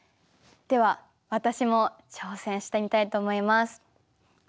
では私も挑戦してみたいと思います。